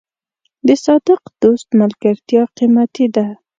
د صادق دوست ملګرتیا قیمتي ده.